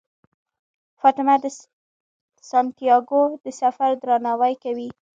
فاطمه د سانتیاګو د سفر درناوی کوي.